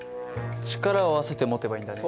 力を合わせて持てばいいんだね。